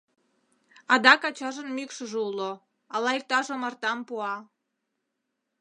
Адак ачажын мӱкшыжӧ уло, ала иктаж омартам пуа!